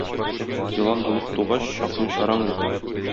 Елан булып тугач чакмый чараң юк.